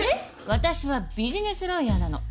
私はビジネスロイヤーなの。